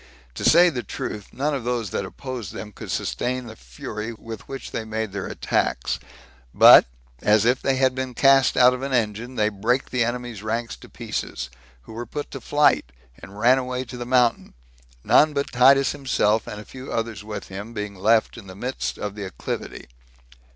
To say the truth, none of those that opposed them could sustain the fury with which they made their attacks; but, as if they had been cast out of an engine, they brake the enemies' ranks to pieces, who were put to flight, and ran away to the mountain; none but Titus himself, and a few others with him, being left in the midst of the acclivity.